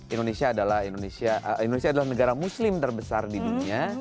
indonesia adalah negara muslim terbesar di dunia